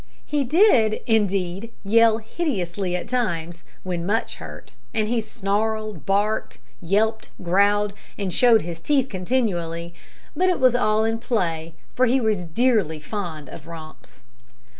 He did, indeed, yell hideously at times, when much hurt, and he snarled, barked, yelped, growled, and showed his teeth continually, but it was all in play, for he was dearly fond of romps.